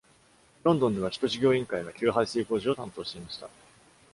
ロンドンでは首都事業委員会が給排水工事を担当していました。